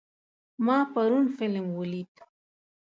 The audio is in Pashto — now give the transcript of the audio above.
ما پرون فلم ولید.